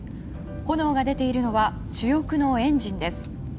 炎が出ているのは主翼のエンジンです。